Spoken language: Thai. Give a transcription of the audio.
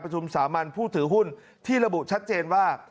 สามัญผู้ถือหุ้นที่ระบุชัดเจนว่า